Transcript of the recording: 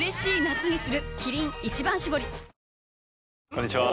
こんにちは。